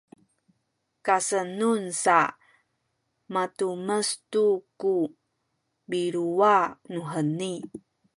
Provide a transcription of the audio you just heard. kasenun sa matumes tu ku biluwa nuheni